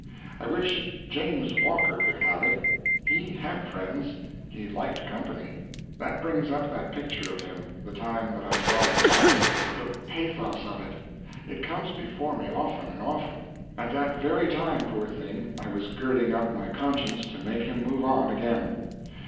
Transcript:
I wish "James Walker" could have it. He had friends; he liked company. That brings up that picture of him, the time that I saw him last. The pathos of it! It comes before me often and often. At that very time, poor thing, I was girding up my conscience to make him move on again!